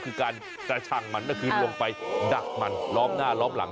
ยกคือการจัดช้างมันมาคืนลงไปดักมันรอบหน้ารอบหลัง